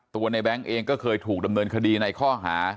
ในแบงค์เองก็เคยถูกดำเนินคดีในข้อหา